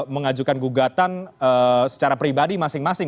mengajukan gugatan secara pribadi masing masing